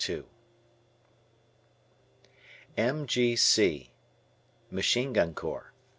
M M.G.C. Machine Gun Corps.